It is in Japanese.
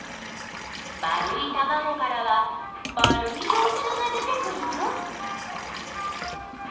丸いたまごからは丸いよう虫が出てくる！？